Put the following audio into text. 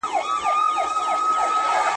د پښتو د ودي لپاره باید ټول افغانان سره یو سي.